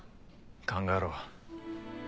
考えろ。